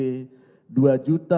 sgd satu empat juta